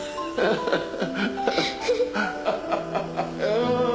ハハハハ。